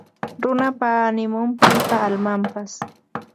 Runapa animun; pipa almanpas